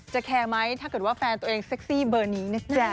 แคร์ไหมถ้าเกิดว่าแฟนตัวเองเซ็กซี่เบอร์นี้นะจ๊ะ